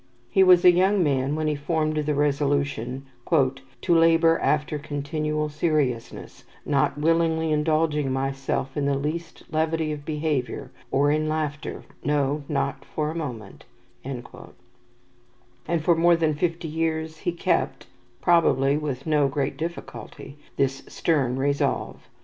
He was a young man when he formed the resolution, "to labour after continual seriousness, not willingly indulging myself in the least levity of behaviour, or in laughter, no, not for a moment"; and for more than fifty years he kept probably with no great difficulty this stern resolve.